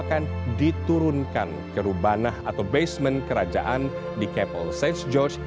akan diturunkan ke rubanah atau basement kerajaan di capel st george